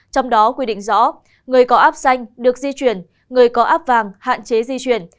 trong đó quy định rõ người có áp xanh được di chuyển người có áp vàng hạn chế di chuyển